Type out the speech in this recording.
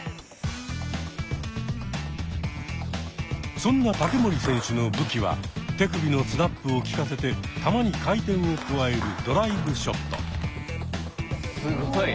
そんな竹守選手の武器は手首のスナップをきかせて球に回転を加えるすごい。